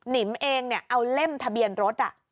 นิมเองเอาเล่มทะเบียนรถ